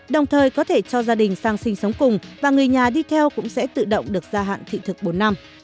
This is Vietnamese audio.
đồng thời có thể cho gia đình sang sinh sống cùng và người nhà đi theo cũng sẽ tự động được gia hạn thị thực bốn năm